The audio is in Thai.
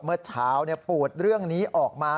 เมื่อเช้าปูดเรื่องนี้ออกมา